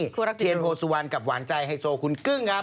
คู่รักติดหลูมเทียนโพสัวนกับหวานใจไฮโซคุณกึ้งครับ